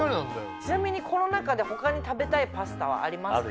ちなみにこの中で他に食べたいパスタはありますか？